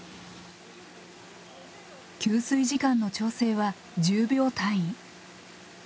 吸水時間の調整は１０秒単位。